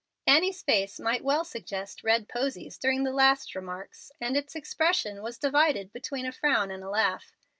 Annie's face might well suggest "red posies" during the last remarks, and its expression was divided between a frown and a laugh.